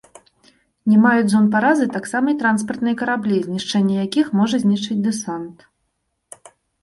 Не маюць зон паразы таксама і транспартныя караблі, знішчэнне якіх можа знішчыць дэсант.